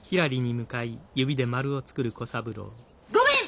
ごめん！